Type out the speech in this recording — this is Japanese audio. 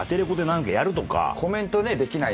コメントねできないんで。